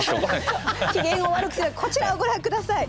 機嫌を悪くするこちらをご覧下さい。